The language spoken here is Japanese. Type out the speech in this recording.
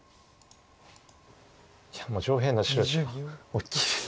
いやもう上辺の白大きいです。